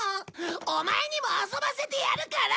オマエにも遊ばせてやるから！